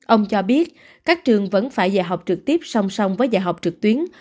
ông cho biết các trường vẫn phải dạy học trực tiếp song song với dạy học trực tuyến